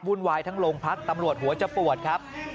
วายทั้งโรงพักตำรวจหัวจะปวดครับ